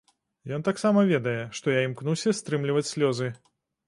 Ён таксама ведае, што я імкнуся стрымліваць слёзы.